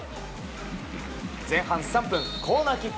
前半３分、コーナーキック。